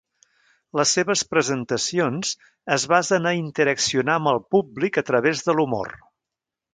Les seves presentacions es basen a interaccionar amb el públic a través de l'humor.